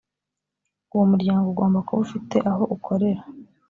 uwo muryango ugomba kuba ufite aho ukorera